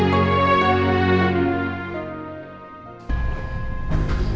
kau sort scene juga didetik dalam kalian juga